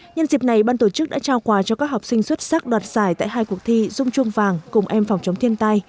nhân dịp này ban tổ chức đã trao quà cho các học sinh xuất sắc đoạt giải tại hai cuộc thi dung chuông vàng cùng em phòng chống thiên tai